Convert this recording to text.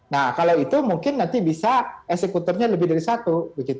nah kalau itu mungkin nanti bisa eksekutornya lebih dari satu